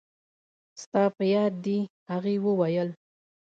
ستا په یاد دي؟ هغې وویل.